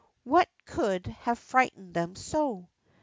What could have frightened them so